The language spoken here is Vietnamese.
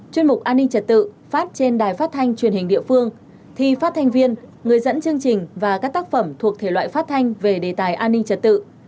chuyên mục an ninh trật tự phát trên đài phát thanh truyền hình địa phương thi phát thanh viên người dẫn chương trình và các tác phẩm thuộc thể loại phát thanh về đề tài an ninh trật tự